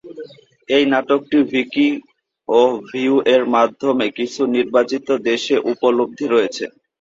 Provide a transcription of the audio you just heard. এই নাটকটি ভিকি ও ভিউ এর মাধ্যমে কিছু নির্বাচিত দেশে উপলব্ধ রয়েছে।